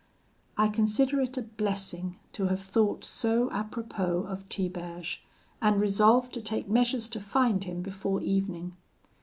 "I consider it a blessing to have thought so apropos of Tiberge, and resolved to take measures to find him before evening.